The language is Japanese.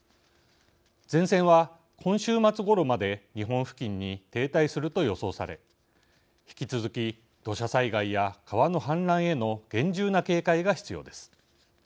前線は今週末ごろまで日本付近に停滞すると予想され引き続き土砂災害や川の氾濫への厳重な警戒が必要です。